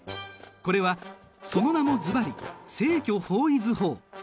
これはその名もすばり正距方位図法。